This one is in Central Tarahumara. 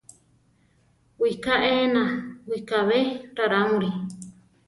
Wiká éena, wikábe rarámuri.